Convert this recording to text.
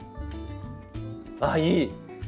あっいい！